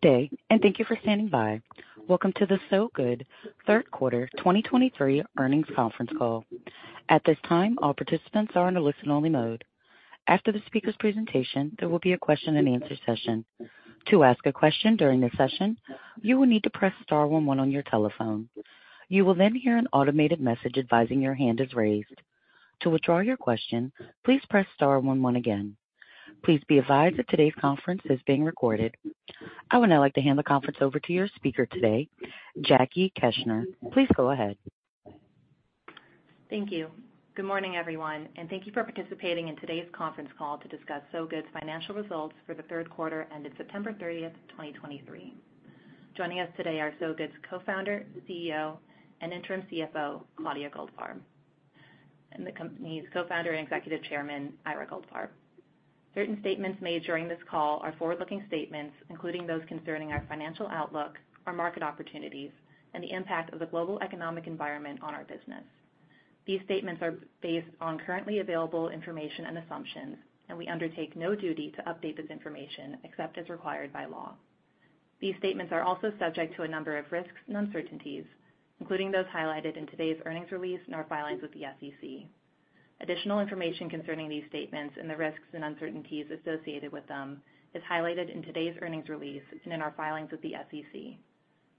Good day, and thank you for standing by. Welcome to the Sow Good Third Quarter 2023 Earnings Conference Call. At this time, all participants are in a listen-only mode. After the speaker's presentation, there will be a Q&A session. To ask a question during this session, you will need to press star one one on your telephone. You will then hear an automated message advising your hand is raised. To withdraw your question, please press star one one again. Please be advised that today's conference is being recorded. I would now like to hand the conference over to your speaker today, Jackie Keshner. Please go ahead. Thank you. Good morning, everyone, and thank you for participating in today's conference call to discuss Sow Good's financial results for the third quarter ended September 30, 2023. Joining us today are Sow Good's Co-founder, CEO, and Interim CFO, Claudia Goldfarb, and the company's Co-founder and Executive Chairman, Ira Goldfarb. Certain statements made during this call are forward-looking statements, including those concerning our financial outlook, our market opportunities, and the impact of the global economic environment on our business. These statements are based on currently available information and assumptions, and we undertake no duty to update this information except as required by law. These statements are also subject to a number of risks and uncertainties, including those highlighted in today's earnings release and our filings with the SEC. Additional information concerning these statements and the risks and uncertainties associated with them is highlighted in today's earnings release and in our filings with the SEC.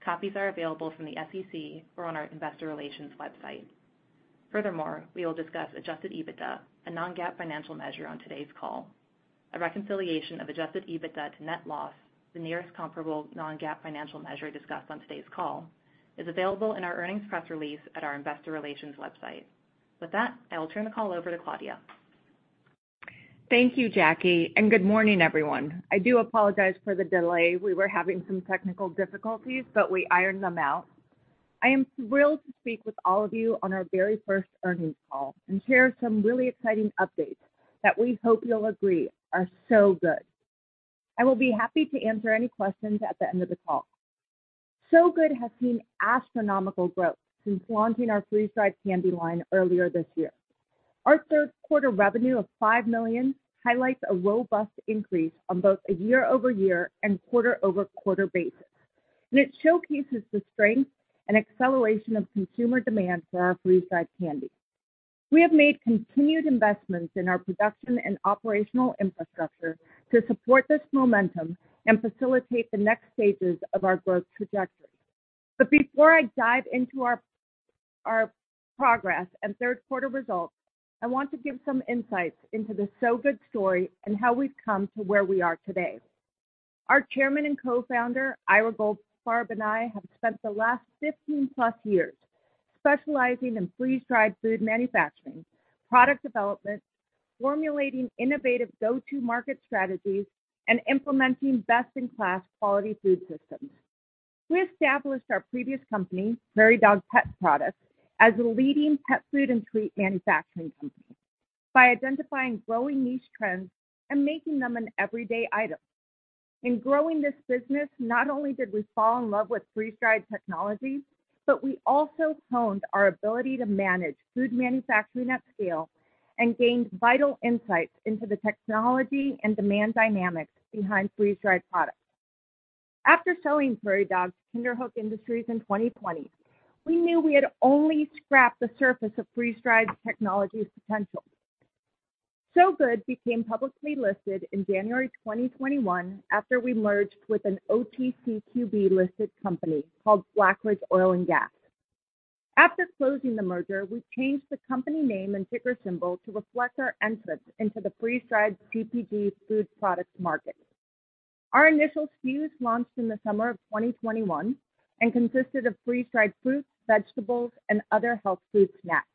Copies are available from the SEC or on our investor relations website. Furthermore, we will discuss Adjusted EBITDA, a non-GAAP financial measure, on today's call. A reconciliation of Adjusted EBITDA to net loss, the nearest comparable non-GAAP financial measure discussed on today's call, is available in our earnings press release at our investor relations website. With that, I will turn the call over to Claudia. Thank you, Jackie, and good morning, everyone. I do apologize for the delay. We were having some technical difficulties, but we ironed them out. I am thrilled to speak with all of you on our very first earnings call and share some really exciting updates that we hope you'll agree are so good. I will be happy to answer any questions at the end of the call. Sow Good has seen astronomical growth since launching our freeze-dried candy line earlier this year. Our third quarter revenue of $5 million highlights a robust increase on both a year-over-year and quarter-over-quarter basis, and it showcases the strength and acceleration of consumer demand for our freeze-dried candy. We have made continued investments in our production and operational infrastructure to support this momentum and facilitate the next stages of our growth trajectory. But before I dive into our progress and third quarter results, I want to give some insights into the Sow Good story and how we've come to where we are today. Our chairman and co-founder, Ira Goldfarb, and I have spent the last 15+ years specializing in freeze-dried food manufacturing, product development, formulating innovative go-to-market strategies, and implementing best-in-class quality food systems. We established our previous company, Prairie Dog Pet Products, as a leading pet food and treat manufacturing company by identifying growing niche trends and making them an everyday item. In growing this business, not only did we fall in love with freeze-dried technology, but we also honed our ability to manage food manufacturing at scale and gained vital insights into the technology and demand dynamics behind freeze-dried products. After selling Prairie Dog to Kinderhook Industries in 2020, we knew we had only scratched the surface of freeze-dried technology's potential. Sow Good became publicly listed in January 2021 after we merged with an OTCQB-listed company called Black Ridge Oil and Gas. After closing the merger, we changed the company name and ticker symbol to reflect our entrance into the freeze-dried CPG food products market. Our initial SKUs launched in the summer of 2021 and consisted of freeze-dried fruits, vegetables, and other health food snacks.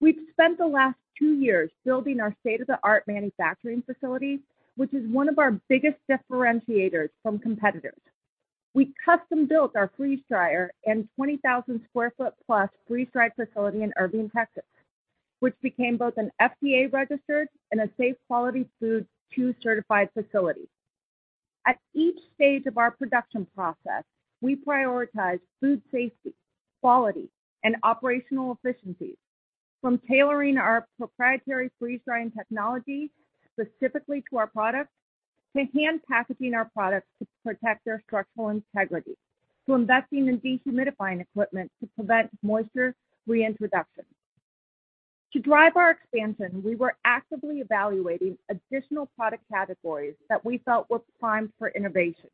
We've spent the last two years building our state-of-the-art manufacturing facility, which is one of our biggest differentiators from competitors. We custom-built our freeze dryer and 20,000 sq ft plus freeze-dried facility in Irving, Texas, which became both an FDA-registered and a Safe Quality Food 2 certified facility. At each stage of our production process, we prioritize food safety, quality, and operational efficiencies, from tailoring our proprietary freeze-drying technology specifically to our products, to hand-packaging our products to protect their structural integrity, to investing in dehumidifying equipment to prevent moisture reintroduction. To drive our expansion, we were actively evaluating additional product categories that we felt were primed for innovation.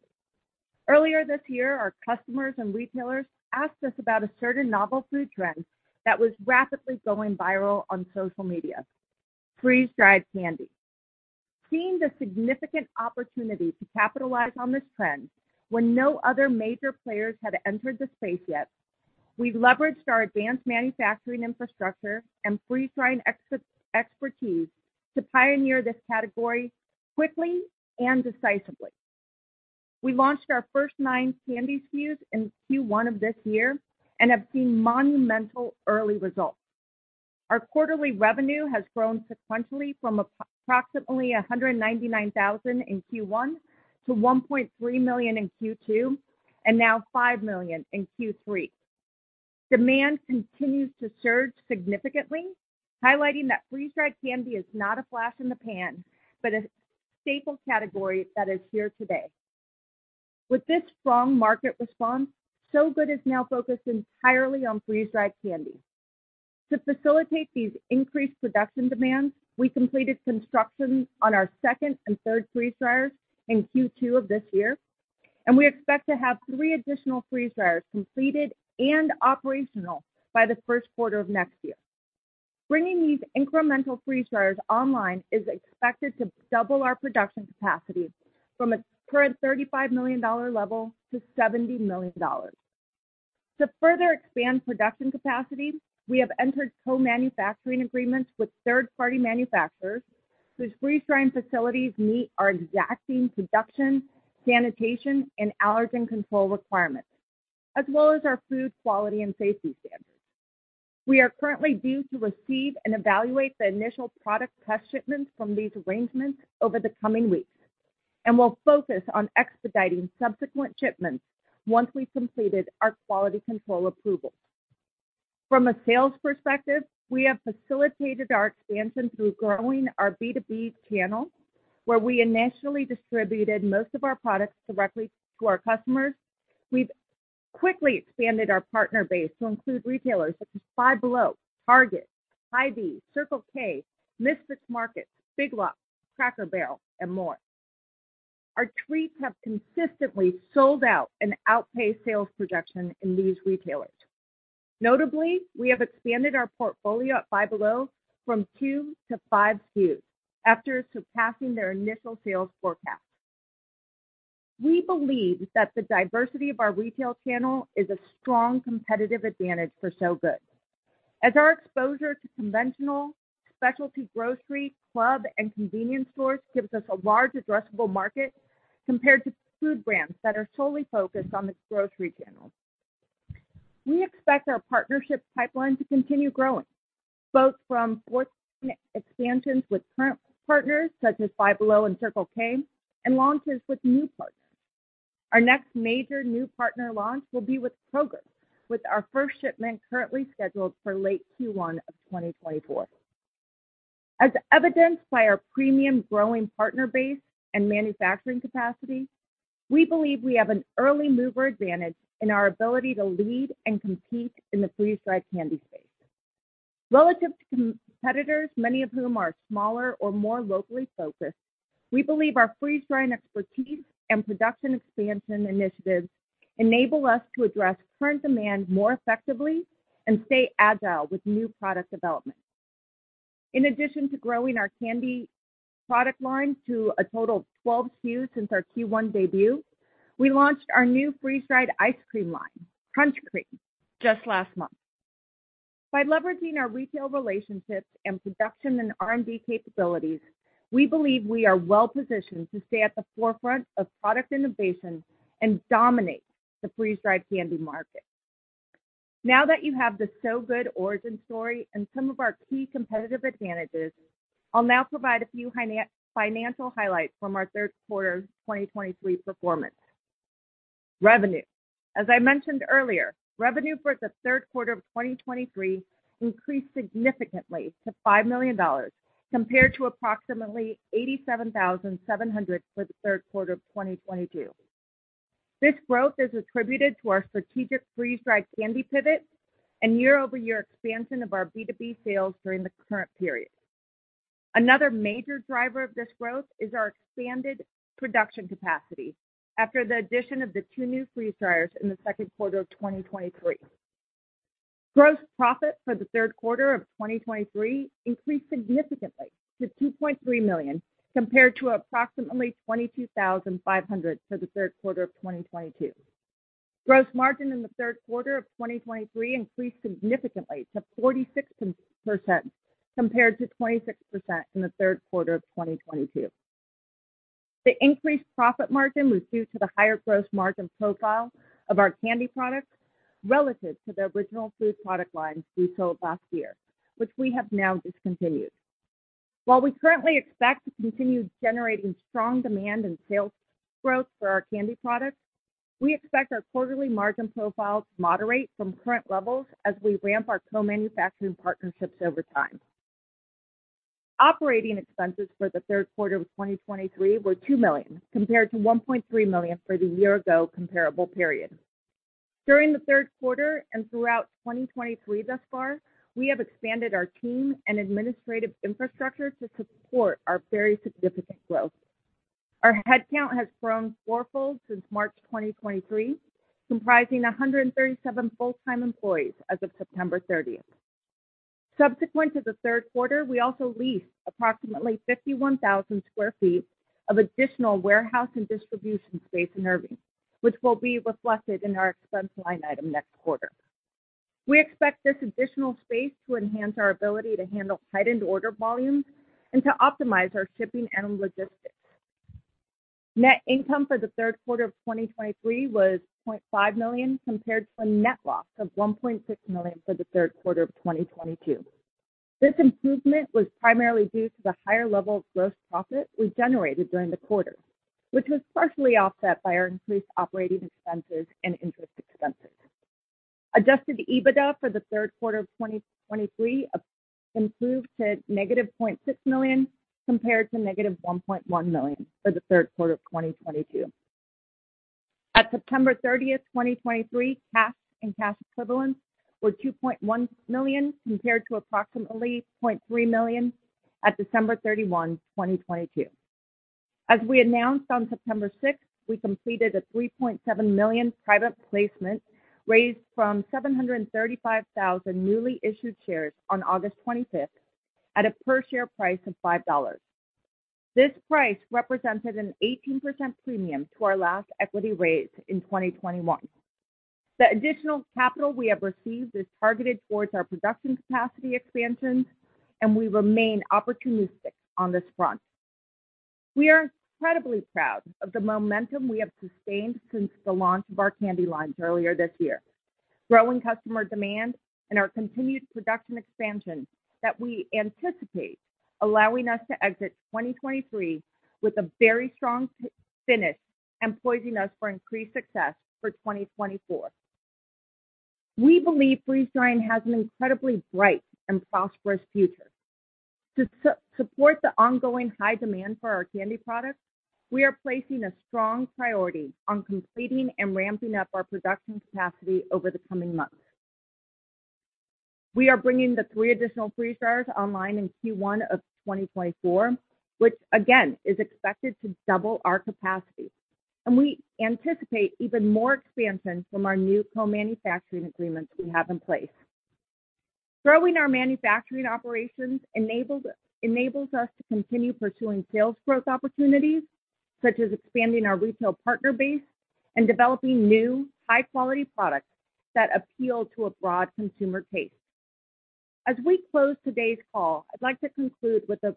Earlier this year, our customers and retailers asked us about a certain novel food trend that was rapidly going viral on social media: freeze-dried candy. Seeing the significant opportunity to capitalize on this trend when no other major players had entered the space yet, we leveraged our advanced manufacturing infrastructure and freeze-drying expertise to pioneer this category quickly and decisively. We launched our first nine candy SKUs in Q1 of this year and have seen monumental early results. Our quarterly revenue has grown sequentially from approximately $199,000 in Q1 to $1.3 million in Q2, and now $5 million in Q3. Demand continues to surge significantly, highlighting that freeze-dried candy is not a flash in the pan, but a staple category that is here today. With this strong market response, Sow Good is now focused entirely on freeze-dried candy. To facilitate these increased production demands, we completed construction on our second and third freeze dryers in Q2 of this year, and we expect to have three additional freeze dryers completed and operational by the first quarter of next year. Bringing these incremental freeze dryers online is expected to double our production capacity from a current $35 million level to $70 million. To further expand production capacity, we have entered co-manufacturing agreements with third-party manufacturers whose freeze-drying facilities meet our exacting production, sanitation, and allergen control requirements, as well as our food quality and safety standards. We are currently due to receive and evaluate the initial product test shipments from these arrangements over the coming weeks, and we'll focus on expediting subsequent shipments once we've completed our quality control approval. From a sales perspective, we have facilitated our expansion through growing our B2B channel, where we initially distributed most of our products directly to our customers. We've quickly expanded our partner base to include retailers such as Five Below, Target, Hy-Vee, Circle K, Misfits Market, Big Lots, Cracker Barrel, and more. Our treats have consistently sold out and outpaced sales projections in these retailers. Notably, we have expanded our portfolio at Five Below from two to five SKUs after surpassing their initial sales forecast. We believe that the diversity of our retail channel is a strong competitive advantage for Sow Good. As our exposure to conventional, specialty grocery, club, and convenience stores gives us a large addressable market compared to food brands that are solely focused on the grocery channel. We expect our partnership pipeline to continue growing, both from forthcoming expansions with current partners such as Five Below and Circle K, and launches with new partners. Our next major new partner launch will be with Kroger, with our first shipment currently scheduled for late Q1 of 2024. As evidenced by our premium growing partner base and manufacturing capacity, we believe we have an early mover advantage in our ability to lead and compete in the freeze-dried candy space. Relative to competitors, many of whom are smaller or more locally focused, we believe our freeze-drying expertise and production expansion initiatives enable us to address current demand more effectively and stay agile with new product development. In addition to growing our candy product line to a total of 12 SKUs since our Q1 debut, we launched our new freeze-dried ice cream line, Crunch Cream, just last month. By leveraging our retail relationships and production and R&D capabilities, we believe we are well positioned to stay at the forefront of product innovation and dominate the freeze-dried candy market. Now that you have the Sow Good origin story and some of our key competitive advantages, I'll now provide a few financial highlights from our third quarter 2023 performance. Revenue. As I mentioned earlier, revenue for the third quarter of 2023 increased significantly to $5 million, compared to approximately $87,700 for the third quarter of 2022. This growth is attributed to our strategic freeze-dried candy pivot and year-over-year expansion of our B2B sales during the current period. Another major driver of this growth is our expanded production capacity after the addition of the two new freeze dryers in the second quarter of 2023. Gross profit for the third quarter of 2023 increased significantly to $2.3 million, compared to approximately $22,500 for the third quarter of 2022. Gross margin in the third quarter of 2023 increased significantly to 46%, compared to 26% in the third quarter of 2022. The increased profit margin was due to the higher gross margin profile of our candy products relative to the original food product lines we sold last year, which we have now discontinued. While we currently expect to continue generating strong demand and sales growth for our candy products, we expect our quarterly margin profile to moderate from current levels as we ramp our co-manufacturing partnerships over time. Operating expenses for the third quarter of 2023 were $2 million, compared to $1.3 million for the year ago comparable period. During the third quarter and throughout 2023 thus far, we have expanded our team and administrative infrastructure to support our very significant growth. Our headcount has grown fourfold since March 2023, comprising 137 full-time employees as of September 30. Subsequent to the third quarter, we also leased approximately 51,000 sq ft of additional warehouse and distribution space in Irving, which will be reflected in our expense line item next quarter. We expect this additional space to enhance our ability to handle heightened order volumes and to optimize our shipping and logistics. Net income for the third quarter of 2023 was $0.5 million, compared to a net loss of $1.6 million for the third quarter of 2022. This improvement was primarily due to the higher level of gross profit we generated during the quarter, which was partially offset by our increased operating expenses and interest expenses. Adjusted EBITDA for the third quarter of 2023 improved to -$0.6 million, compared to -$1.1 million for the third quarter of 2022. As of September 30, 2023, cash and cash equivalents were $2.1 million, compared to approximately $0.3 million at December 31, 2022. As we announced on September 6, we completed a $3.7 million private placement, raised from 735,000 newly issued shares on August 25, at a per share price of $5. This price represented an 18% premium to our last equity raise in 2021. The additional capital we have received is targeted towards our production capacity expansions, and we remain opportunistic on this front. We are incredibly proud of the momentum we have sustained since the launch of our candy lines earlier this year, growing customer demand and our continued production expansion that we anticipate allowing us to exit 2023 with a very strong finish and positioning us for increased success for 2024. We believe freeze-drying has an incredibly bright and prosperous future. To support the ongoing high demand for our candy products, we are placing a strong priority on completing and ramping up our production capacity over the coming months. We are bringing the three additional freeze dryers online in Q1 of 2024, which again, is expected to double our capacity, and we anticipate even more expansion from our new co-manufacturing agreements we have in place. Growing our manufacturing operations enabled, enables us to continue pursuing sales growth opportunities, such as expanding our retail partner base and developing new, high-quality products that appeal to a broad consumer taste. As we close today's call, I'd like to conclude with a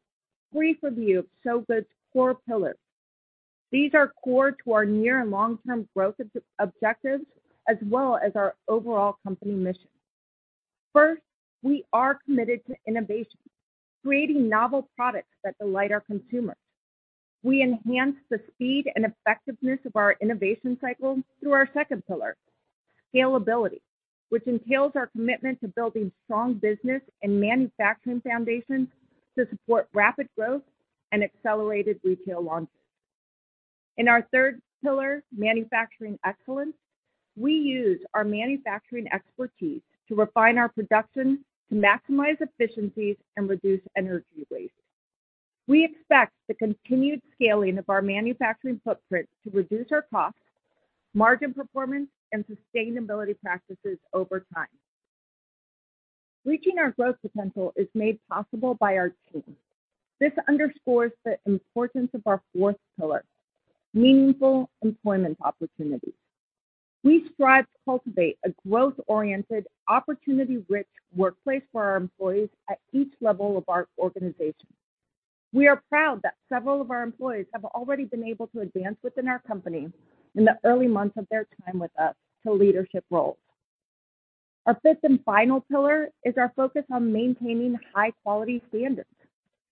brief review of Sow Good's core pillars. These are core to our near and long-term growth objectives as well as our overall company mission. First, we are committed to innovation, creating novel products that delight our consumers. We enhance the speed and effectiveness of our innovation cycle through our second pillar, scalability, which entails our commitment to building strong business and manufacturing foundations to support rapid growth and accelerated retail launches. In our third pillar, manufacturing excellence, we use our manufacturing expertise to refine our production, to maximize efficiencies, and reduce energy waste. We expect the continued scaling of our manufacturing footprint to reduce our costs, margin performance, and sustainability practices over time. Reaching our growth potential is made possible by our team. This underscores the importance of our fourth pillar, meaningful employment opportunities. We strive to cultivate a growth-oriented, opportunity-rich workplace for our employees at each level of our organization. We are proud that several of our employees have already been able to advance within our company in the early months of their time with us, to leadership roles. Our fifth and final pillar is our focus on maintaining high-quality standards,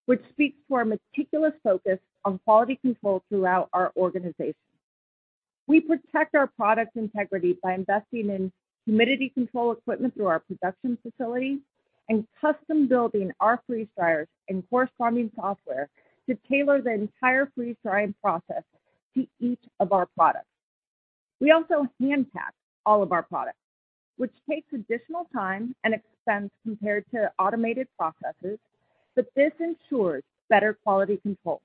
which speaks to our meticulous focus on quality control throughout our organization. We protect our product integrity by investing in humidity control equipment through our production facilities and custom building our freeze dryers and corresponding software to tailor the entire freeze-drying process to each of our products. We also hand pack all of our products, which takes additional time and expense compared to automated processes, but this ensures better quality control.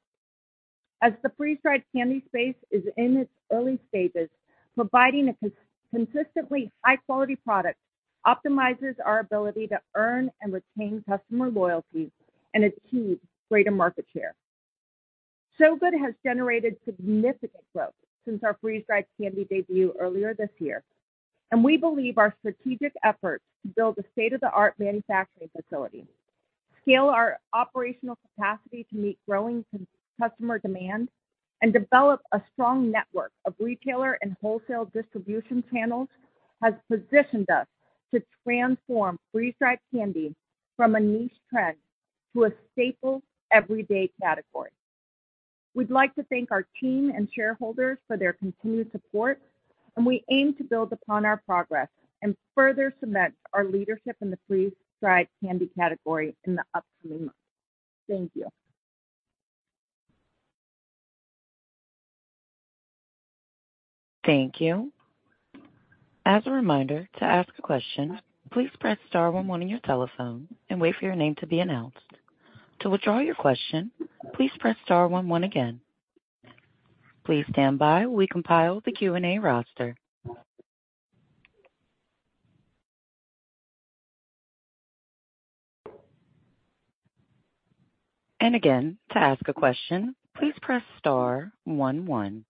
As the freeze-dried candy space is in its early stages, providing a consistently high-quality product optimizes our ability to earn and retain customer loyalty and achieve greater market share. Sow Good has generated significant growth since our freeze-dried candy debut earlier this year, and we believe our strategic efforts to build a state-of-the-art manufacturing facility, scale our operational capacity to meet growing customer demand, and develop a strong network of retailer and wholesale distribution channels, has positioned us to transform freeze-dried candy from a niche trend to a staple everyday category. We'd like to thank our team and shareholders for their continued support, and we aim to build upon our progress and further cement our leadership in the freeze-dried candy category in the upcoming months. Thank you. Thank you. As a reminder, to ask a question, please press star one one on your telephone and wait for your name to be announced. To withdraw your question, please press star one one again. Please stand by while we compile the Q&A roster. And again, to ask a question, please press star one one.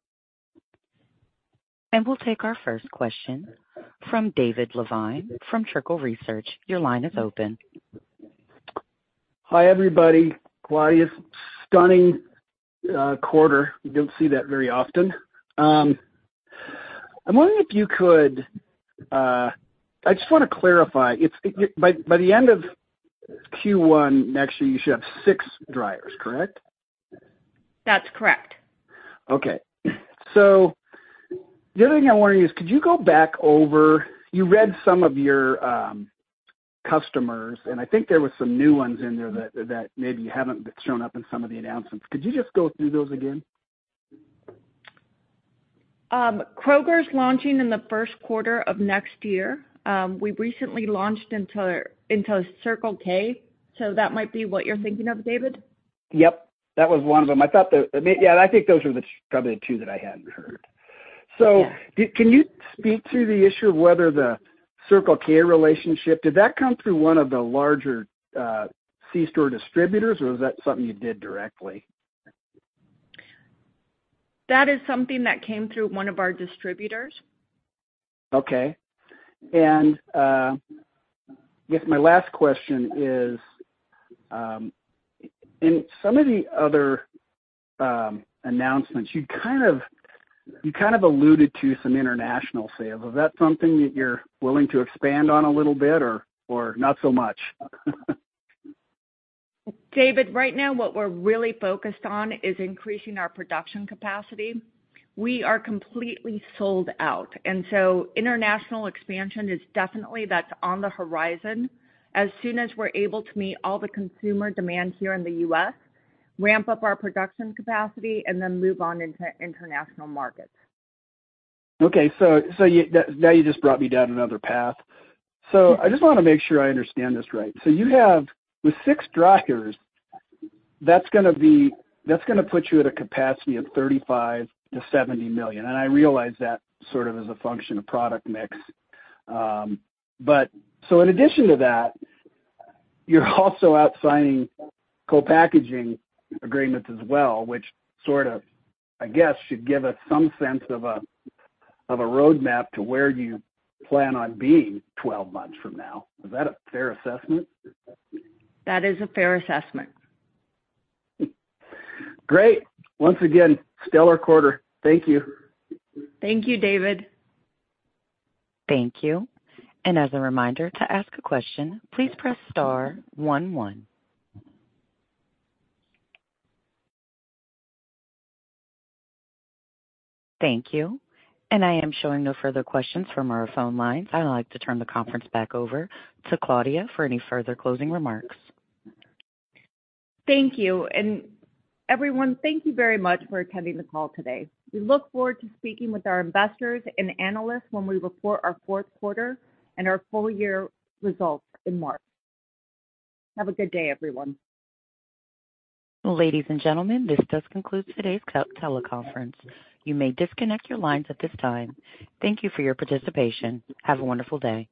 And we'll take our first question from Dave Lavigne from Trickle Research. Your line is open. Hi, everybody. Claudia, stunning quarter. You don't see that very often. I'm wondering if you could. I just want to clarify. It's by the end of Q1 next year, you should have six dryers, correct? That's correct. Okay. So the other thing I'm wondering is, could you go back over. You read some of your customers, and I think there were some new ones in there that maybe haven't shown up in some of the announcements. Could you just go through those again? Kroger's launching in the first quarter of next year. We recently launched into Circle K, so that might be what you're thinking of, David? Yep, that was one of them. I thought that, yeah, I think those were the, probably the two that I hadn't heard. Yeah. So can you speak to the issue of whether the Circle K relationship, did that come through one of the larger, C-store distributors, or was that something you did directly? That is something that came through one of our distributors. Okay. I guess my last question is, in some of the other announcements, you kind of alluded to some international sales. Is that something that you're willing to expand on a little bit, or not so much? Dave, right now, what we're really focused on is increasing our production capacity. We are completely sold out, and so international expansion is definitely that's on the horizon. As soon as we're able to meet all the consumer demand here in the U.S., ramp up our production capacity, and then move on into international markets. Okay, so now you just brought me down another path. So I just want to make sure I understand this right. So you have, with six dryers, that's gonna be. That's gonna put you at a capacity of $35 million-$70 million, and I realize that sort of is a function of product mix. But so in addition to that, you're also out signing co-packaging agreements as well, which sort of, I guess, should give us some sense of a roadmap to where you plan on being 12 months from now. Is that a fair assessment? That is a fair assessment. Great. Once again, stellar quarter. Thank you. Thank you, Dave. Thank you. And as a reminder, to ask a question, please press star one, one. Thank you. And I am showing no further questions from our phone lines. I'd like to turn the conference back over to Claudia for any further closing remarks. Thank you. Everyone, thank you very much for attending the call today. We look forward to speaking with our investors and analysts when we report our fourth quarter and our full year results in March. Have a good day, everyone. Ladies and gentlemen, this does conclude today's teleconference. You may disconnect your lines at this time. Thank you for your participation. Have a wonderful day.